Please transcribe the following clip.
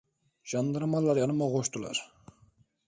Jandarmalar yanıma koştular.